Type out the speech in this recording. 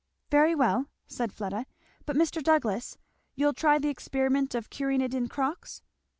"Very well," said Fleda. "But, Mr. Douglass, you'll try the experiment of curing it in cocks?"